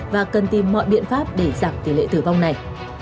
và cần tìm mọi biện pháp để giảm tỷ lệ tử vong này